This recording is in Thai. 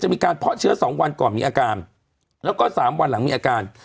มีการเพาะเชื้อ๒วันก่อนมีอาการแล้วก็สามวันหลังมีอาการ